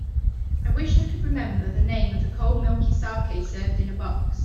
I wish I could remember the name of the cold milky saké served in a box.